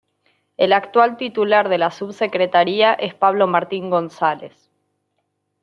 El actual titular de la subsecretaría es Pablo Martín González.